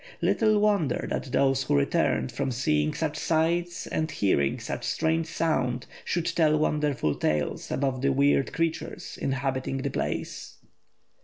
Little wonder that those who returned from seeing such sights and hearing such strange sounds should tell wonderful stories about the weird creatures inhabiting the place.